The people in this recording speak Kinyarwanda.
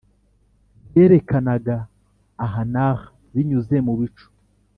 ryerekanaga aha n'aha binyuze mu bicu